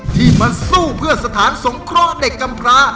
ที่มาสู้เพื่อสถานสงเคราะห์เด็กกำพระ